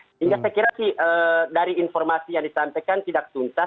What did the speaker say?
sehingga saya kira dari informasi yang ditantikan tidak tuntas